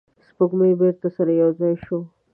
سپوږمۍ بیرته سره یو ځای شوه.